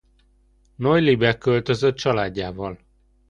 Neuillybe költözött családjával.